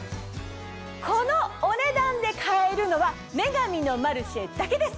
このお値段で買えるのは『女神のマルシェ』だけです！